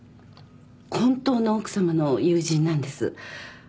本当の奥さまの友人なんです。